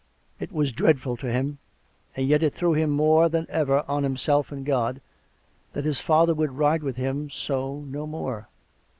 It was dreadful to him — and yet it threw him more than ever on himself and God — that his father would ride with him so no more.